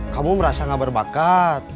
kamu merasa gak berbakat